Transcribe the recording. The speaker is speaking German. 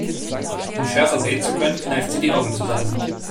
Um schärfer sehen zu können, kneift sie die Augen zusammen.